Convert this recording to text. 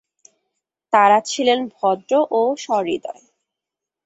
তাঁরা ছিলেন ভদ্র ও সহৃদয়।